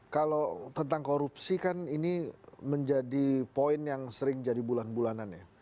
kalau tentang korupsi kan ini menjadi poin yang sering jadi bulan bulanan ya